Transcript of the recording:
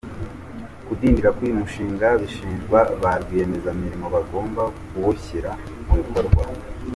Kudindira k’uyu mushinga bishinjwa ba rwiyemezamirimo bagombaga kuwushyira mu bikorwa.